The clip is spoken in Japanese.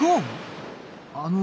あの。